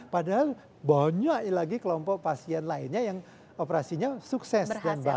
padahal banyak lagi kelompok pasien lainnya yang operasinya sukses